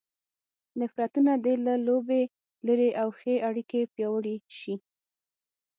نفرتونه دې له لوبې لیرې او ښې اړیکې پیاوړې شي.